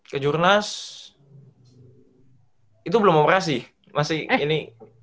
ke jurnas itu belum operasi masih ini